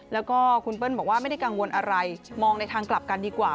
แล้วก็คุณเปิ้ลบอกว่าไม่ได้กังวลอะไรมองในทางกลับกันดีกว่า